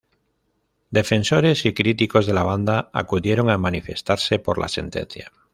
Defensores y críticos de la banda acudieron a manifestarse por la sentencia.